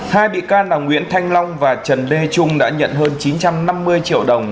hai bị can là nguyễn thanh long và trần lê trung đã nhận hơn chín trăm năm mươi triệu đồng